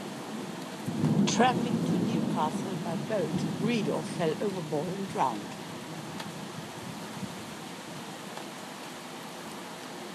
Travelling to Newcastle by boat, Greedor fell overboard and drowned.